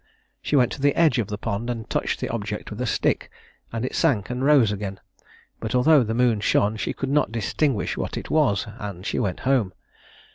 She went to the edge of the pond, and touched the object with a stick, and it sank and rose again; but although the moon shone, she could not distinguish what it was, and she went home.